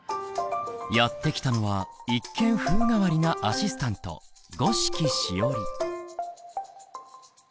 やって来たのは一見風変わりなアシスタント五色しおり。